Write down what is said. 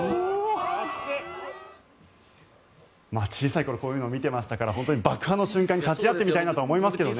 小さい頃こういうのを見ていましたから爆破の瞬間に立ち会ってみたいなと思いますね。